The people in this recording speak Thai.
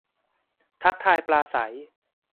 ทักทายปราศรัย